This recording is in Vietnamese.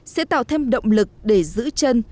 sẽ tạo thêm động lực để giữ chân